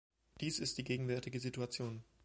Dies ist die gegenwärtige Situation.